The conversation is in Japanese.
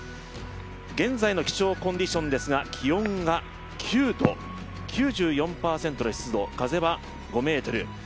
現在の気象コンディションですが気温が９度、９４％の湿度風は５メートル。